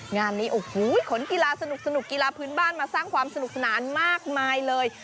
งานนี้โอ้โหขนกีฬาสนุกกีฬาพื้นบ้านมาสร้างความสนุกสนานมากมายเลย